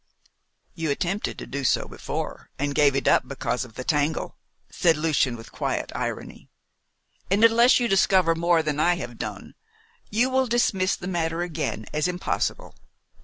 "You attempted to do so before, and gave it up because of the tangle," said Lucian with quiet irony. "And unless you discover more than I have done, you will dismiss the matter again as impossible.